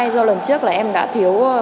do lần trước em đã thiếu